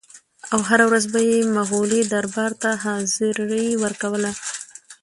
او هره ورځ به یې مغولي دربار ته حاضري ورکوله.